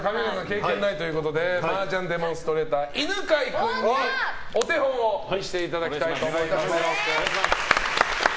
経験ないということで麻雀デモンストレーター犬飼君にお手本を見せていただきたいと思います。